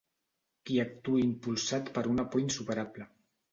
Qui actuï impulsat per una por insuperable.